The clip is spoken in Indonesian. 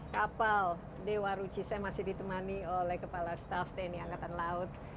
kapal dewa ruci saya masih ditemani oleh kepala staff tni angkatan laut